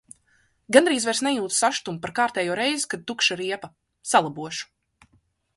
Gandrīz vairs nejūtu sašutumu par kārtējo reizi, kad tukša riepa. Salabošu.